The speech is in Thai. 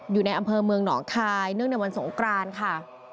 อยู่ในอำเภอเมืองหนองคายเนื่องในวันสงกรานค่ะ